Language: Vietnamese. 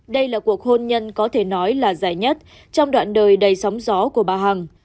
đây là cuộc hôn nhân có thể nói là dài nhất trong đoạn đời đầy sóng gió của bà hằng